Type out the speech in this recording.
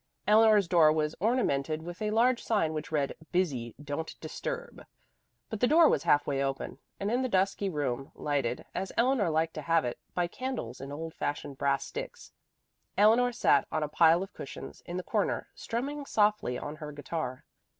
Eleanor's door was ornamented with a large sign which read, "Busy. Don't disturb." But the door was half way open, and in the dusky room, lighted, as Eleanor liked to have it, by candles in old fashioned brass sticks, Eleanor sat on a pile of cushions in the corner, strumming softly on her guitar.